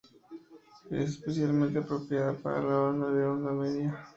Es especialmente apropiada para la banda de onda media.